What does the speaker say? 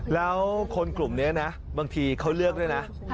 แล้วคนกลุ่มนี้นะบางทีเขาเลือกด้วยนะ